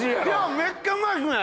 めっちゃうまいっすね！